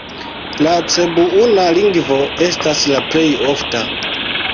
La cebuana lingvo estas la plej ofta.